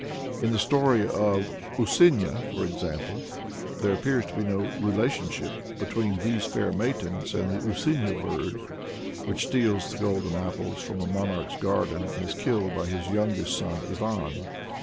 In the story of "Usuinya," for instance, there appears to be no relationship between these fair maidens and the "Usuinya Bird," which steals the golden apples from a monarch's garden and is killed by his youngest son Ivan.